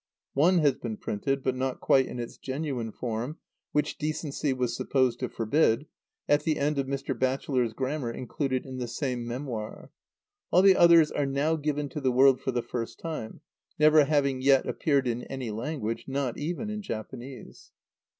One has been printed (but not quite in its genuine form, which decency was supposed to forbid) at the end of Mr. Batchelor's grammar included in the same "Memoir." All the others are now given to the world for the first time, never having yet appeared in any language, not even in Japanese.